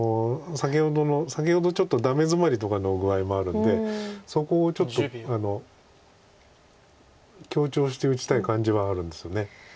先ほどのちょっとダメヅマリとかの具合もあるんでそこをちょっと強調して打ちたい感じはあるんですよね。